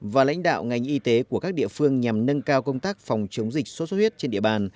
và lãnh đạo ngành y tế của các địa phương nhằm nâng cao công tác phòng chống dịch sốt xuất huyết trên địa bàn